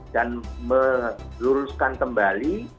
dan meluruskan kembali